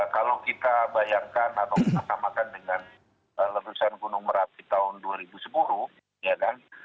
kalau kita bayangkan atau menatamakan dengan letusan gunung merapi tahun dua ribu sepuluh